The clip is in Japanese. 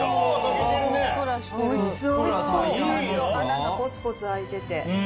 ちゃんと穴がポツポツ開いてて。